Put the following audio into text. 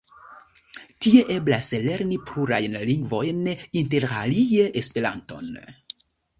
Tie eblas lerni plurajn lingvojn, interalie Esperanton.